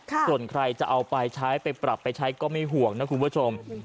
ส่วนใครจะเอาไปใช้ไปปรับไปใช้ก็ไม่ห่วงนะคุณผู้ชม